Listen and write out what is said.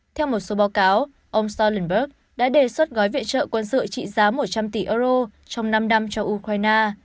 theo một số báo cáo ông stolenberg đã đề xuất gói viện trợ quân sự trị giá một trăm linh tỷ euro trong năm năm cho ukraine